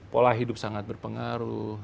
pola hidup sangat berpengaruh